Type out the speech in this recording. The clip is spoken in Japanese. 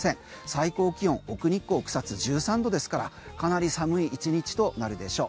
最高気温奥日光、草津は１３度ですからかなり寒い１日となるでしょう。